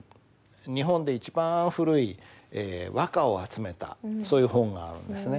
日本で一番古い和歌を集めたそういう本があるんですね。